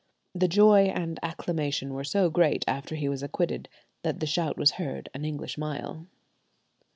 The joy and acclamation were so great after he was acquitted that the shout was heard an English mile.